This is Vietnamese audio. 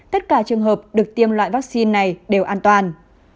tất cả trường hợp được tiêm loại vaccine này đều an toàn